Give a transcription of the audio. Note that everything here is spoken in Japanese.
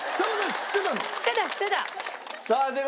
知ってたの？